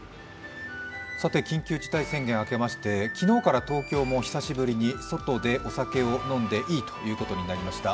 緊急事態宣言明けまして昨日から東京も久しぶりに外でお酒を飲んでいいということになりました。